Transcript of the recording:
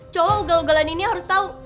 cowok galau galain ini harus tau